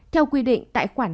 theo quy định tại mục a khoảng hai